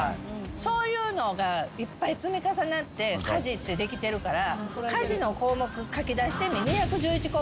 そういうのがいっぱい積み重なって家事ってできてるから。